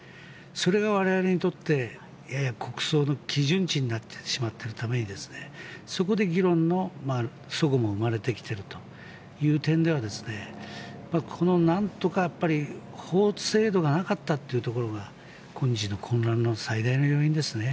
それが我々にとって国葬の基準値になってしまっているためにそこで議論の齟齬も生まれてきているという点では法制度がなかったというところが今日の混乱の最大の要因ですね。